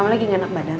mama lagi gak enak badan